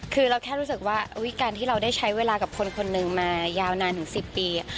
คือเราแค่รู้สึกว่าการที่เราได้ใช้เวลากับคนคนหนึ่งมายาวนานถึง๑๐ปี